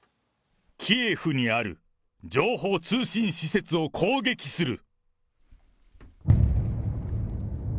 キエフにある情報通信施設を攻撃する。